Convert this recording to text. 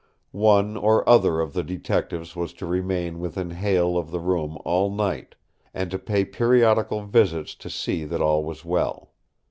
One or other of the detectives was to remain within hail of the room all night; and to pay periodical visits to see that all was well.